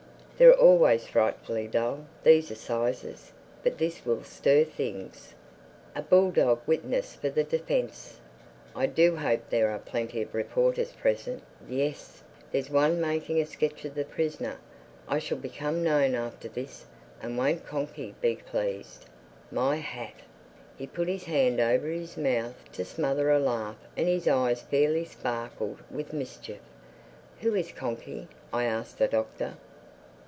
They're always frightfully dull, these Assizes. But this will stir things. A bulldog witness for the defense! I do hope there are plenty of reporters present—Yes, there's one making a sketch of the prisoner. I shall become known after this—And won't Conkey be pleased? My hat!" He put his hand over his mouth to smother a laugh and his eyes fairly sparkled with mischief. "Who is Conkey?" I asked the Doctor.